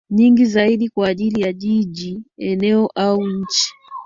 nyingi zaidi kwa ajili ya jiji eneo au nchi